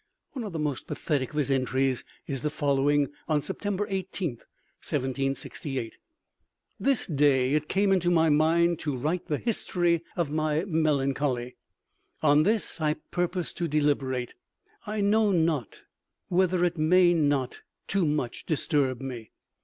One of the most pathetic of his entries is the following, on September 18, 1768: "This day it came into my mind to write the history of my melancholy. On this I purpose to deliberate; I know not whether it may not too much disturb me."